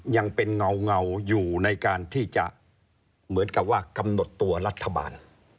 ยังเป็นเงาอยู่ในการที่จะเหมือนกับว่ากำหนดตัวรัฐบาล